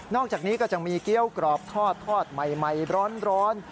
อกจากนี้ก็จะมีเกี้ยวกรอบทอดใหม่ร้อน